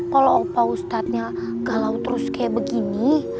kalau opa ustadnya galau terus kayak begini